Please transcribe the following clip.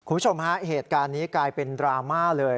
คุณผู้ชมฮะเหตุการณ์นี้กลายเป็นดราม่าเลย